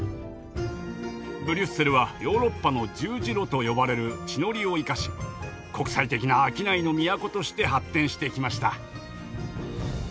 ブリュッセルはヨーロッパの十字路と呼ばれる地の利を生かし国際的な商いの都として発展してきました。